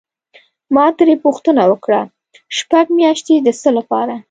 ما ترې پوښتنه وکړه: شپږ میاشتې د څه لپاره؟